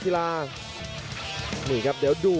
ขึ้น๒๐๑๐เมื่อว่าง